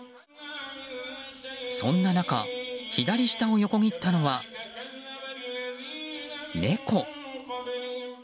そんな中左下を横切ったのは、猫。